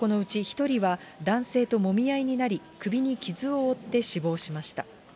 男のうち１人は、男性ともみ合いになり、首に傷を負って死亡しました。